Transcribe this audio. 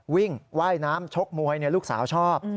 ว่ายน้ำชกมวยลูกสาวชอบ